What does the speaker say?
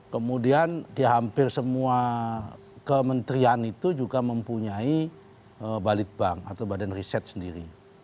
kemudian di hampir semua kementerian itu juga mempunyai balitbank atau badan riset sendiri